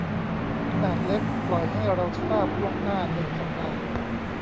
ขนาดเล็กปล่อยให้เราทราบล่วงหน้าหนึ่งสัปดาห์